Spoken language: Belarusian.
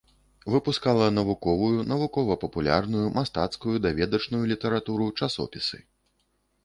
Выпускала навуковую, навукова-папулярную, мастацкую, даведачную літаратуру, часопісы.